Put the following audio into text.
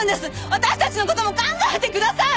私たちの事も考えてください！